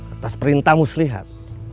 atas perintah muslihat